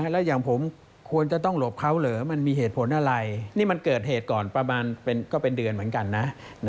แล้วอย่างผมควรจะต้องหลบเขาเหรอมันมีเหตุผลอะไรนี่มันเกิดเหตุก่อนประมาณก็เป็นเดือนเหมือนกันนะ